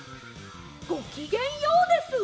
ごきげんＹＯです！